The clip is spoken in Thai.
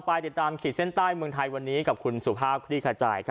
ติดตามขีดเส้นใต้เมืองไทยวันนี้กับคุณสุภาพคลี่ขจาย